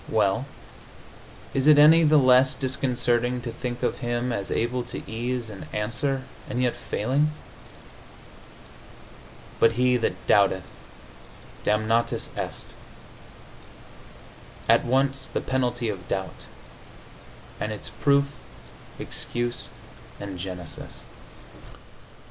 Well, is it any the less disconcerting to think of Him as able to ease and answer, and yet failing?... But he that doubteth damnatus est. At once the penalty of doubt and its proof, excuse and genesis.